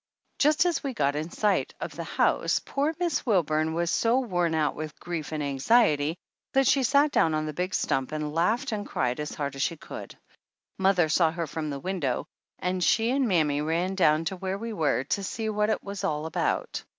Just as we got in sight of the house poor Miss Wilburn was so worn out with grief and anxiety that she sat down on the big stump and laughed and cried as hard as she could. Mother saw her from the window and she and mammy ran down to where we were to see what it was all about.